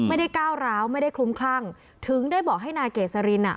ก้าวร้าวไม่ได้คลุ้มคลั่งถึงได้บอกให้นายเกษรินอ่ะ